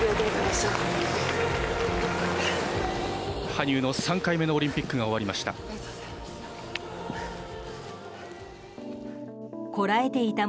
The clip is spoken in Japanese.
羽生の３回目のオリンピックが終わりました。